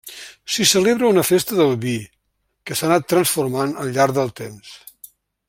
S'hi celebra una festa del vi, que s'ha anat transformant al llarg del temps.